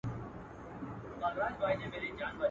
o کوټ کوټ دلته لري، هگۍ بل ځاى اچوي.